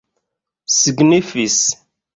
signifis